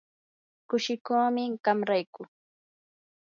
kushikuumi qam rayku.